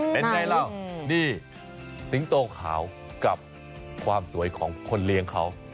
เป็นไงล่ะนี่สิงโตขาวกับความสวยของคนเลี้ยงเขา